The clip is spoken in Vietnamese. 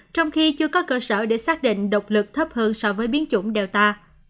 trong khi chưa có cơ sở để xác định độc lực thấp hơn so với biến chủng delta